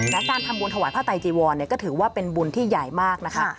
และการทำบุญถวายพระไตจีวรก็ถือว่าเป็นบุญที่ใหญ่มากนะคะ